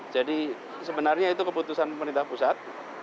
jadi sebenarnya itu keputusan pemerintah pusat